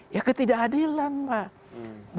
ya ketidakadilan pak